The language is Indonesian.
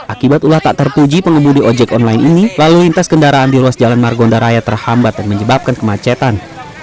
akibat ulah tak terpuji pengemudi ojek online ini lalu lintas kendaraan di ruas jalan margonda raya terhambat dan menyebabkan kemacetan